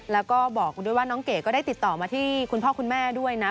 แล้วก็บอกด้วยว่าน้องเก๋ก็ได้ติดต่อมาที่คุณพ่อคุณแม่ด้วยนะ